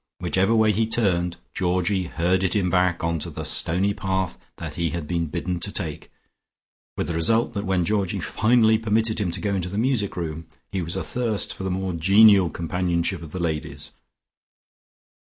Whichever way he turned, Georgie herded him back on to the stony path that he had been bidden to take, with the result that when Georgie finally permitted him to go into the music room, he was athirst for the more genial companionship of the ladies.